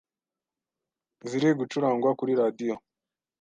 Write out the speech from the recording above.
ziri gucurangwa kuri Radiyo